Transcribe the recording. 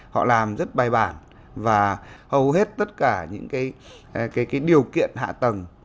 họ làm rất bài bản và hầu hết tất cả những điều kiện hạ tầng